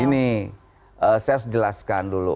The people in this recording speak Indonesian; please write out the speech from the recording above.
ini saya harus jelaskan dulu